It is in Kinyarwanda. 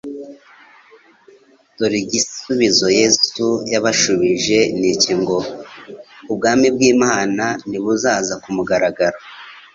Dore igisubizo Yesu yabashubije ni iki ngo: «Ubwami bw'Imana ntibuzaza kumugaragaro,